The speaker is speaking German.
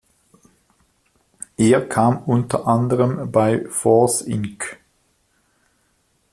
Er kam unter anderem bei Force Inc.